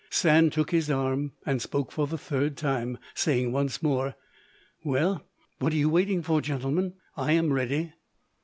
Sand took his arm, and spoke for the third time, saying once more, "Well, what are you waiting for, gentlemen? I am ready."